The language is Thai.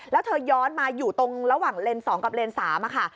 แล้วเธอย้อนมาอยู่ตรงระหว่างเลนส์๒กับเลน๓ค่ะ